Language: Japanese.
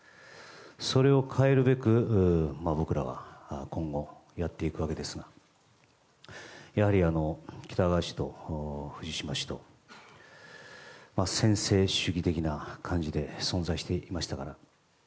それを変えるべく僕らが今後やっていくわけですがやはり、喜多川氏と藤島氏と専制主義的な感じで存在していましたから。